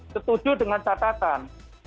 setuju dengan catatan